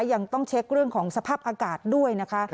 ยังต้องเช็คเรื่องของสภาพอากาศด้วยนะคะ